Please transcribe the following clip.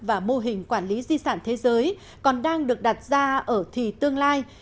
và mô hình quản lý di sản thế giới còn đang được đặt ra ở thì tương lai